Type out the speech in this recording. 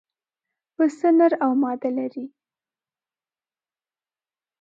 پسه نر او ماده لري.